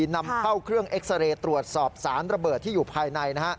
นำเข้าเครื่องเอ็กซาเรย์ตรวจสอบสารระเบิดที่อยู่ภายใน